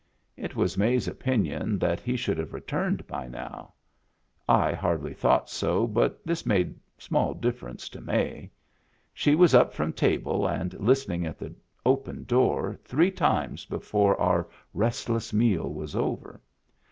It was May's opinion that he should have returned by now. I hardly thought so, but this made small difference to May. She was up from table and listening at the open door three times before our restless meal was over.